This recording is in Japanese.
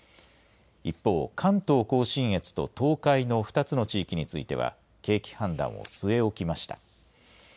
一方、関東甲信越と東海の２つの地域については、景気判断を据え置きました。